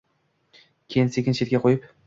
Keyin sekin chetga qo’yib